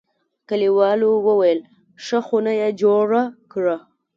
کلیوالو ویل: ښه خونه یې جوړه کړه.